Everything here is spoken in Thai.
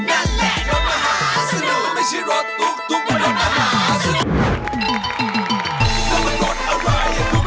อักษีสันมันดูน่าสนุก